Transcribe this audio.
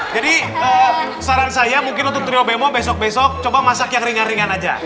jadi saran saya mungkin untuk trio bemo besok besok coba masak yang ringan ringan aja